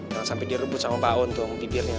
jangan sampai direbut sama pak o untuk ngepipirnya